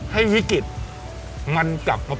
ให้วิกฤตมันกลับมา